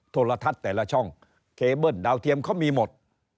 โทรทัศน์แต่ละช่องเคเบิ้ลดาวเทียมเขามีหมด